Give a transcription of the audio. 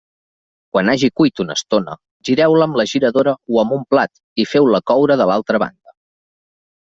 Quan hagi cuit una estona, gireu-la amb la giradora o amb un plat, i feu-la coure de l'altra banda.